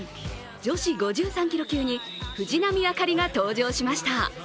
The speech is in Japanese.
女子５３キロ級に藤波朱理が登場しました。